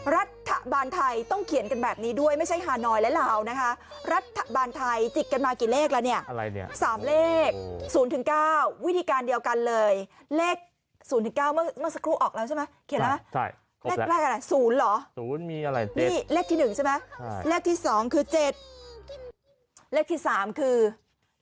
รัฐบาลไทยจิกกันมากี่เลขแล้วเนี่ยอะไรเนี่ย๓เลข๐๙วิธีการเดียวกันเลยเลขสูญเข้าเมื่อเครื่องเอาเลยใช่มะ